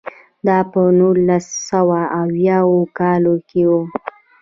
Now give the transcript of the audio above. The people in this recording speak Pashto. دا په نولس سوه اویاووه کال کې و.